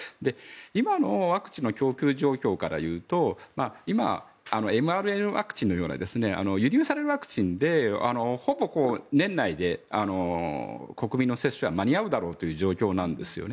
今のワクチンの供給状況からいうと今、ｍＲＮＡワクチンのような輸入されるワクチンでほぼ年内で国民の接種は間に合うだろうという状況なんですよね。